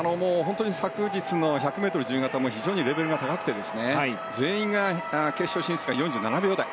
昨日の１００ｍ自由形も非常にレベルが高くて全員が決勝進出が４７秒台。